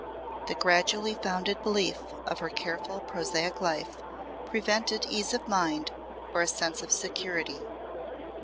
The gradually founded belief of her careful prosaic life prevented ease of mind or a sense of security.